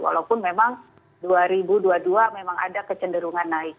walaupun memang dua ribu dua puluh dua memang ada kecenderungan naik